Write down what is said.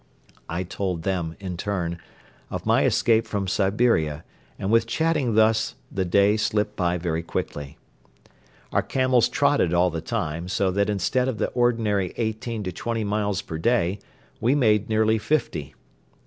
I told them, in turn, of my escape from Siberia and with chatting thus the day slipped by very quickly. Our camels trotted all the time, so that instead of the ordinary eighteen to twenty miles per day we made nearly fifty.